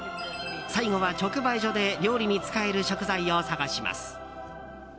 最後は直売所で料理に使える食材を探します。